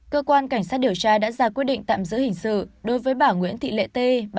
cơ quan cảnh sát điều tra đã ra quyết định tạm giữ hình sự đối với bà nguyễn thị lệ t